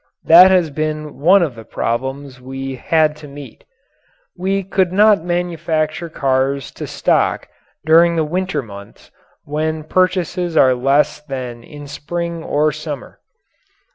That has been one of the problems we had to meet. We could not manufacture cars to stock during the winter months when purchases are less than in spring or summer.